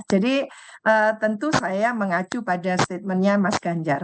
jadi tentu saya mengacu pada statementnya mas ganjar